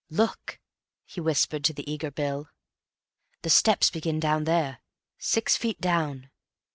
"Look," he whispered to the eager Bill. "The steps begin down there. Six feet down."